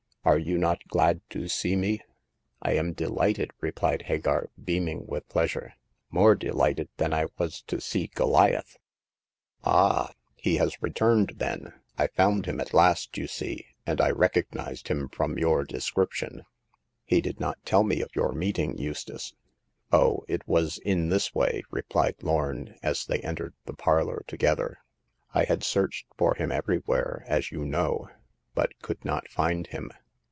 Are you not glad to see me ?"I am delighted !" replied Hagar, beaming with pleasure— more delighted than I was to see Goliath.'* Ah ! he has returned, then ? I found him at last, you see ; and 1 r^co?;cv\x^^\x\xsN.\\^\^ description." 28o Hagar of the Pawn Shop. He did not tell me of your meeting, Eustace." " Oh, it was in this way," replied Lorn, as they entered the parlor together. " I had searched for him everywhere, as you know, but could not find him.